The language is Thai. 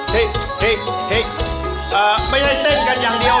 เพลงไม่ได้เต้นกันอย่างเดียว